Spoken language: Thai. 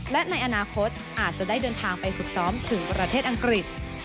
และในอนาคตอาจจะได้เดินทางไปฝึกซ้อมถึงประเทศอังกฤษ